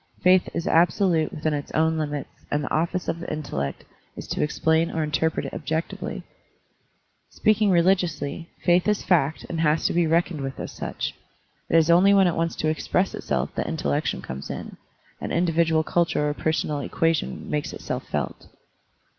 Faith is absolute within its own limits and the office of the intellect is to explain or interpret it objectively. .Speaking religiously, faith is fact and has to be reckoned with as such. It is only when it wants to express itself that Digitized by Google 138 SERMONS OP A BUDDHIST ABBOT intellection comes in, and individual culture or personal equation makes itself felt.